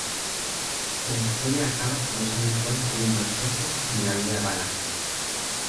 La historia acaba como es habitual con un banquete en la aldea gala.